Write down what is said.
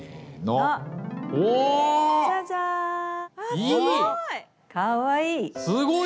あすごい！